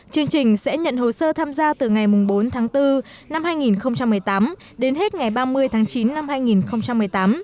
chương trình sẽ nhận hồ sơ tham gia từ ngày bốn tháng bốn năm hai nghìn một mươi tám đến hết ngày ba mươi tháng chín năm hai nghìn một mươi tám